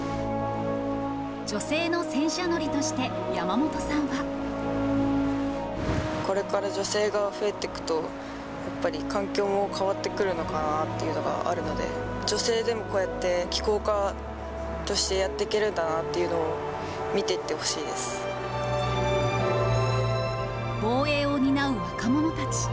女性の戦車乗りとして山本さこれから女性が増えてくと、やっぱり、環境も変わってくるのかなっていうのがあるので、女性でもこうやって機甲科としてやっていけるんだなっていうのを防衛を担う若者たち。